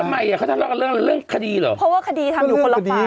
ทำไมอ่ะเขาทะเลาะกันเรื่องเรื่องคดีเหรอเพราะว่าคดีทำอยู่คนละฝ่าย